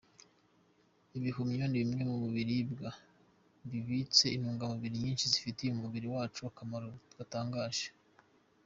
Ibihumyo ni bimwe mu biribwa bibitse intungamubiri nyinshi zifitiye umubiri wacu akamaro gatangaje.